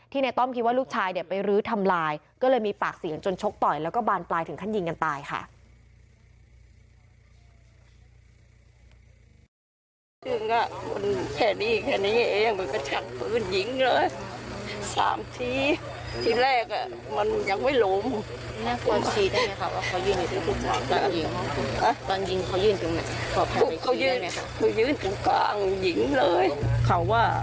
ในต้อมคิดว่าลูกชายเนี่ยไปรื้อทำลายก็เลยมีปากเสียงจนชกต่อยแล้วก็บานปลายถึงขั้นยิงกันตายค่ะ